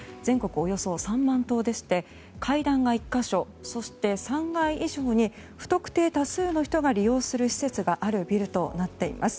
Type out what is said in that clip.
およそ３万棟でして階段が１か所そして、３階以上に不特定多数の人が利用する施設があるビルとなっています。